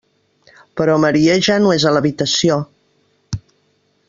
Però Maria ja no és a l'habitació.